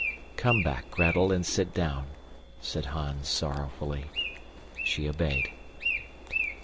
"Come back, Gretel, and sit down," said Hans, sorrowfully. She obeyed.